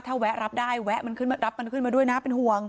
ถ้าแวะรับได้แวะมันขึ้นมารับมันขึ้นมาด้วยนะเป็นห่วง